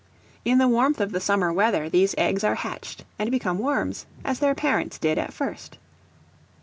In the warmth of the summer weather, these eggs are hatched, and become worms, as their parents did at first.